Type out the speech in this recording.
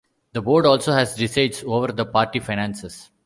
The board also has decides over the party finances.